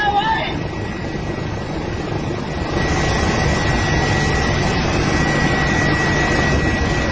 นะครับ